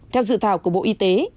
theo dự thảo của bộ y tế